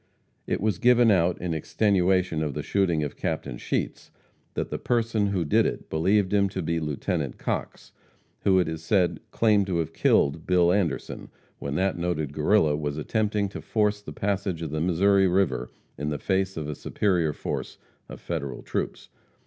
It was given out, in extenuation of the shooting of Captain Sheets, that the person who did it believed him to be Lieut. Cox, who, it is said, claimed to have killed Bill Anderson, when that noted Guerrilla was attempting to force the passage of the Missouri river in the face of a superior force of Federal troops.